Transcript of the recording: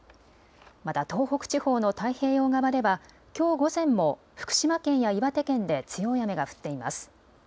また東北地方の太平洋側ではきょう午前も福島県や岩手県で強い雨が降っています。